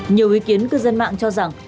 nhiều ý kiến cư dân mạng cho rằng